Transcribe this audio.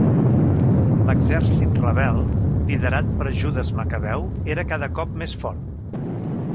L'exèrcit rebel liderat per Judes Macabeu era cada cop més fort.